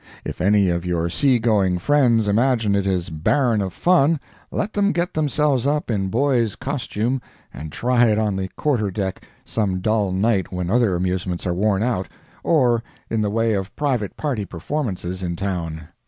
If any of your sea going friends imagine it is barren of fun, let them get themselves up in boys' costume and try it on the quarter deck some dull night when other amusements are worn out—or in the way of private party performances in town.